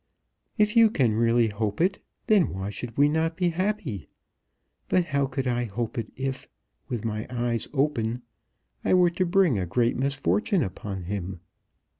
"If you can really hope it, then why should we not be happy? But how could I hope it if, with my eyes open, I were to bring a great misfortune upon him?